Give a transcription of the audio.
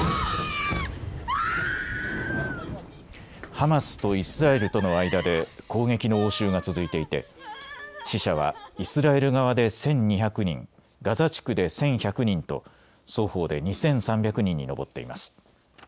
ハマスとイスラエルとの間で攻撃の応酬が続いていて死者はイスラエル側で１２００人、ガザ地区で１１００人と双方で２３００人に上っています。